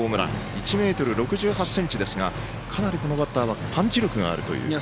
１ｍ６８ｃｍですがかなり、このバッターはパンチ力があるという。